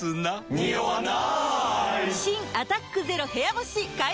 ニオわない！